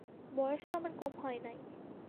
বয়স তো আমার কম হয় নাই।